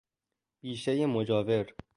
بیشهی مجاور